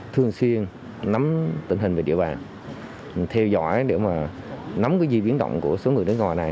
thường xuyên nắm tình hình về địa bàn theo dõi để mà nắm cái di biến động của số người nước ngoài này